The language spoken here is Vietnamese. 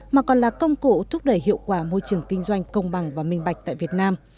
mà còn là công cụ thúc đẩy hiệu quả môi trường kinh doanh công bằng và minh bạch tại việt nam